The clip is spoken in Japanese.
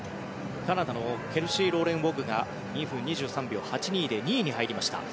カナダのケルシー・ローレン・ウォグが２分２３秒８２で２位に入りました。